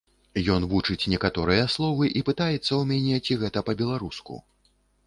Ён вучыць некаторыя словы і пытаецца ў мяне, ці гэта па-беларуску.